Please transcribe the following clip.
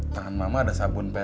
tahan mama ada sabun pel nya